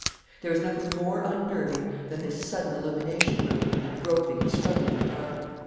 There is nothing more unnerving than this sudden illumination when we have been groping and struggling in the dark.